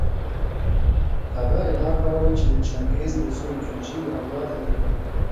هغه ادعا کوله چې د چنګیز د زوی جوجي له اولاده دی.